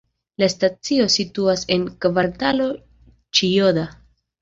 La stacio situas en Kvartalo Ĉijoda.